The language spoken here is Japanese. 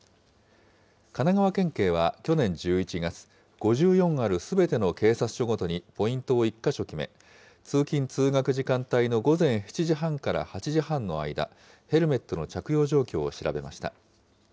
神奈川県警は去年１１月、５４あるすべての警察署ごとにポイントを１か所決め、通勤・通学時間帯の午前７時半から８時半の間、ヘルメットの着用状況を調べました。